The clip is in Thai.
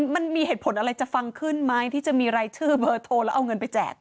มันมีเหตุผลอะไรจะฟังขึ้นไหมที่จะมีรายชื่อเบอร์โทรแล้วเอาเงินไปแจก